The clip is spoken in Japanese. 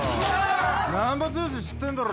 難破剛知ってんだろ。